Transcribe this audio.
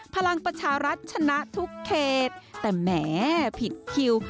พลังประชารัฐชนะทุกเขตแต่แหมผิดคิว